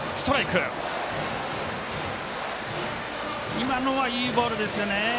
今のはいいボールですよね。